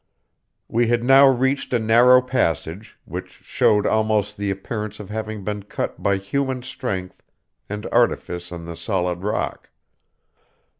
We had now reached a narrow passage, which showed almost the appearance of having been cut by human strength and artifice in the solid rock.